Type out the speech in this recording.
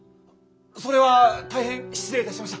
それは大変失礼いたしました